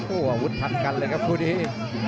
อาวุธพันธ์กันเลยครับคู่นี้